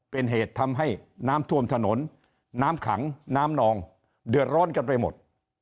เป็นเหตุทำให้น้ำท่วมถนนน้ำขังน้ำนองเดือดร้อนกันไปหมด